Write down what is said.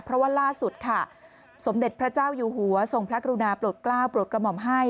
เพราะว่าล่าสุดค่ะสมเด็จพระเจ้าอยู่หัวทรงพระกรุณาปลดกล้าวโปรดกระหม่อมให้